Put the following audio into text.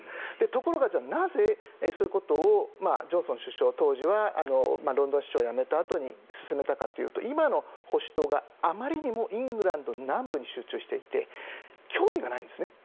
ところが、なぜそういうことをジョンソン首相はロンドン市長を辞めたあとに進めたかというと今の保守党があまりにもイングランド南部に集中していて興味がないんですね。